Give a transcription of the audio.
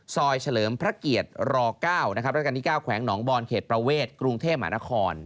ซอยเฉลิมพระเกียรติร๙รัฐกันที่๙แขวงหนองบอลเขตประเวทกรุงเทพหมานคร